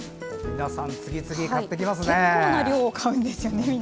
皆さん、次々買っていきますね。